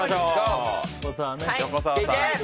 横澤さん。